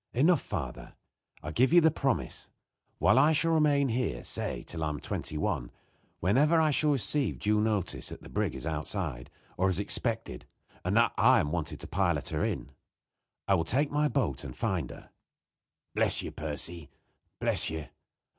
"Enough, father. I give you the promise. While I shall remain here say till I am twenty one whenever I shall receive due notice that the brig is outside, or is expected, and that I am wanted to pilot her in, I will take my boat and find her." "Bless you, Percy! Bless you!